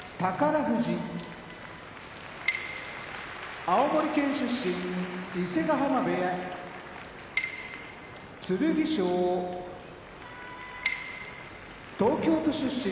富士青森県出身伊勢ヶ濱部屋剣翔東京都出身